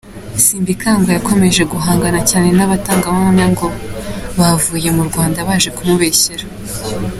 Simbikangwa yakomeje guhangana cyane n’abo batangabuhamya ngo “bavuye mu Rwanda baje kumubeshyera.